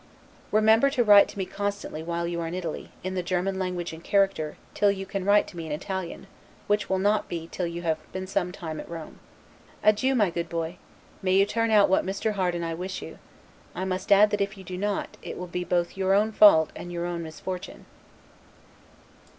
Remember to write to me constantly while you are in Italy, in the German language and character, till you can write to me in Italian; which will not be till you have been some time at Rome. Adieu, my dear boy: may you turn out what Mr. Harte and I wish you. I must add that if you do not, it will be both your own fault and your own misfortune.